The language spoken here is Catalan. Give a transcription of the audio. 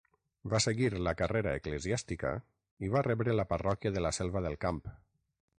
Va seguir la carrera eclesiàstica i va rebre la parròquia de La Selva del Camp.